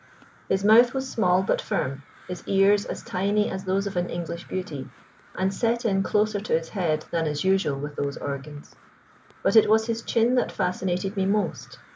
His mouth was small but firm, his ears as tiny as those of an English beauty, and set in closer to his head than is usual with those organs. But it was his chin that fascinated me most.